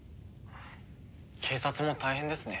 警察も大変ですね。